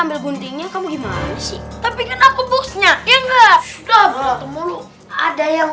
ambil buntingnya kamu gimana sih tapi aku boxnya ya enggak ada yang